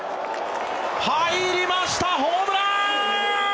入りましたホームラン！